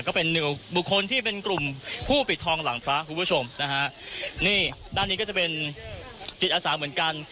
ก็เป็นหนึ่งบุคคลที่เป็นกลุ่มผู้ปิดทองหลังพระคุณผู้ชมนะฮะนี่ด้านนี้ก็จะเป็นจิตอาสาเหมือนกัน